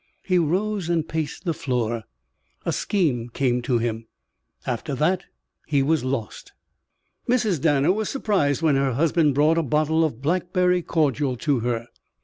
He rose and paced the floor. A scheme came to him. After that he was lost. Mrs. Danner was surprised when her husband brought a bottle of blackberry cordial to her.